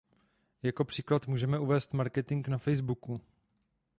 Jako příklad můžeme uvést marketing na Facebooku.